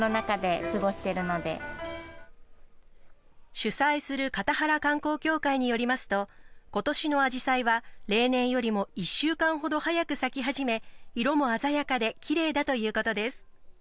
主催する形原観光協会によりますと今年のアジサイは例年よりも１週間ほど早く咲き始め色も鮮やかできれいだということです。